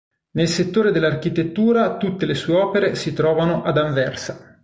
Nel settore dell'architettura tutte le sue opere si trovano ad Anversa.